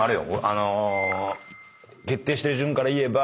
あの決定してる順から言えば。